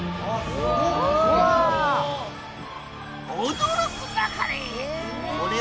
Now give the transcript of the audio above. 驚くなかれ！